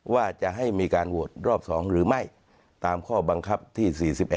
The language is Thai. ว่าจะให้มีการโหวตรอบ๒หรือไม่ตามข้อบังคับที่๔๑